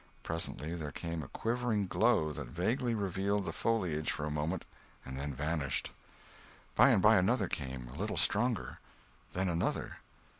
Presently there came a quivering glow that vaguely revealed the foliage for a moment and then vanished. By and by another came, a little stronger. Then another.